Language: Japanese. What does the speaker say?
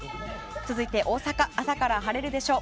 続いて、大阪は朝から晴れるでしょう。